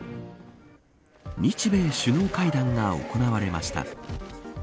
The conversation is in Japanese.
日米首脳会談が行われました。